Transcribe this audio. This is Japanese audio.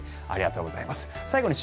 ありがとうございます。